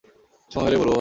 সময় হলে বলবো, ভাই।